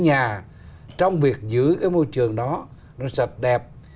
nhà trong việc giữ cái môi trường đó nó sạch đẹp